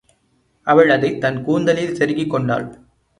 அவள் அதைத் தன் கூந்தலில் செருகிக் கொண்டாள்.